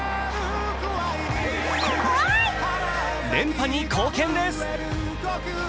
連覇に貢献です。